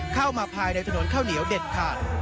เข้ามาภายในถนนข้าวเหนียวเด็ดขาด